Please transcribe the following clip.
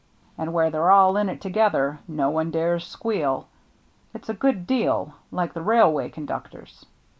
And where they're all in it together, no one dares squeal. It's a good deal like the railway conductors.